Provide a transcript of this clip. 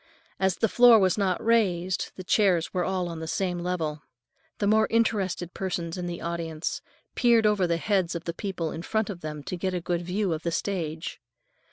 As the floor was not raised, the chairs were all on the same level. The more interested persons in the audience peered over the heads of the people in front of them to get a good view of the stage.